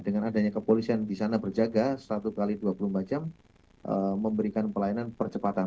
dengan adanya kepolisian di sana berjaga satu x dua puluh empat jam memberikan pelayanan percepatan